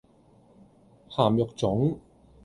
鹹肉粽